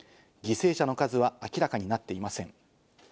犠牲者の数は明らかになっていません。